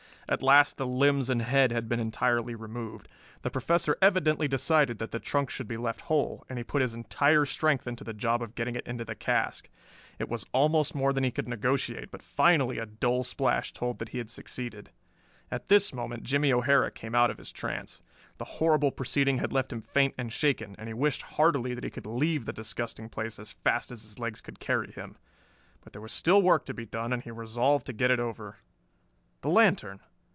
At last the limbs and head had been entirely removed. The Professor evidently decided that the trunk should be left whole, and he put his entire strength into the job of getting it into the cask. It was almost more than he could negotiate, but finally a dull splash told that he had succeeded. At this moment Jimmie O'Hara came out of his trance. The horrible proceeding had left him faint and shaken, and he wished heartily that he could leave the disgusting place as fast as his legs could carry him. But there was still work to be done and he resolved to get it over. The lantern!